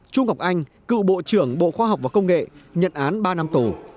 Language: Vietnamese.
trung học anh cựu bộ trưởng bộ khoa học và công nghệ nhận án ba năm tù